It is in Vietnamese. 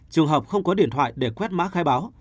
trường hợp không có điện thoại để quét mã khai báo